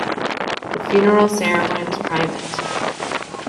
The funeral ceremony was private.